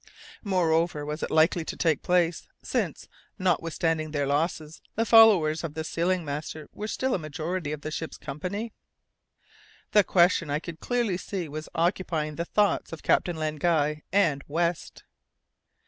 Moreover, what was likely to take place, since, notwithstanding their losses, the followers of the sealing master were still a majority of the ship's company? This question I could clearly see was occupying the thoughts of Captain Len Guy and West.